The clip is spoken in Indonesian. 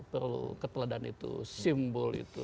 perlu keteladan itu simbol itu